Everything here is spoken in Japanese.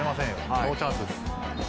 ノーチャンスです。